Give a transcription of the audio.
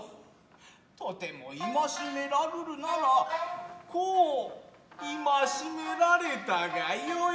とても縛めらるるならこう縛められたがよい。